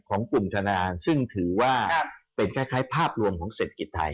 ของกลุ่มธนาซึ่งถือว่าเป็นคล้ายภาพรวมของเศรษฐกิจไทย